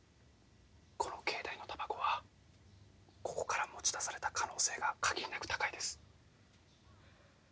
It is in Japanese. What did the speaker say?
この境内のタバコはここから持ち出された可能性が限りなく高いです。